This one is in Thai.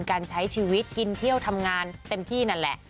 การใช้ชีวิตกินเที่ยวทำงานเต็มที่นั่นแหละ